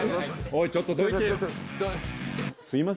おいちょっとどいて！